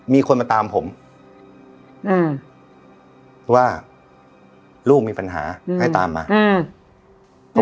มีคนมาตามผมอืมว่าลูกมีปัญหาให้ตามมาอืม